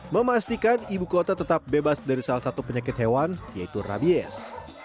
memastikan ibu kota tetap bebas dari salah satu penyakit hewan yaitu rabies